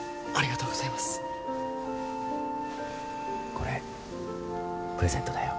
これプレゼントだよ。